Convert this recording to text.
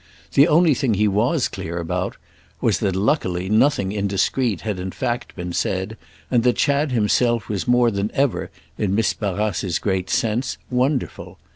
The only thing he was clear about was that, luckily, nothing indiscreet had in fact been said and that Chad himself was more than ever, in Miss Barrace's great sense, wonderful.